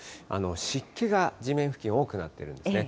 湿気が地面付近、多くなっているんですね。